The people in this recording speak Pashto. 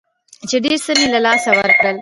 چې ډېر څه مې له لاسه ورکړل.